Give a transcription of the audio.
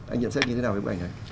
anh nhận xét như thế nào về bức ảnh này